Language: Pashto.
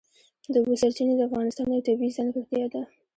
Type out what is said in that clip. د اوبو سرچینې د افغانستان یوه طبیعي ځانګړتیا ده.